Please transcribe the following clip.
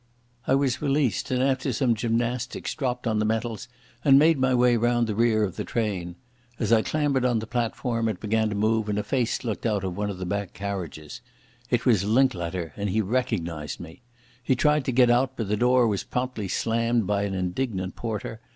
I was released, and after some gymnastics dropped on the metals and made my way round the rear of the train. As I clambered on the platform it began to move, and a face looked out of one of the back carriages. It was Linklater and he recognised me. He tried to get out, but the door was promptly slammed by an indignant porter.